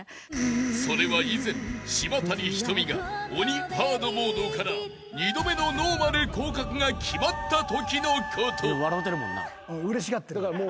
［それは以前島谷ひとみが鬼ハードモードから２度目のノーマル降格が決まったときのこと］上がるだけなんで。